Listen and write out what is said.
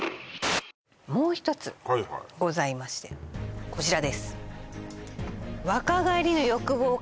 もう一つございましてこちらです